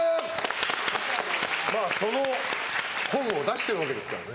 その本を出してるわけですからね。